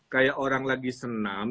kayak orang lagi senam